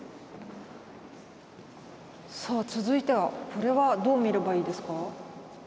さあ続いてはこれはどう見ればいいですか？